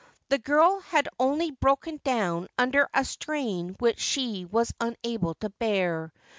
The girl had only broken down under a strain which she was unable to bear.